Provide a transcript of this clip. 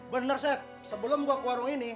bener saya sebelum gue ke warung ini